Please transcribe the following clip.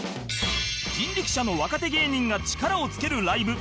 人力舎の若手芸人が力をつけるライブ